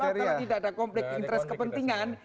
karena kalau tidak ada kompleks interest kepentingan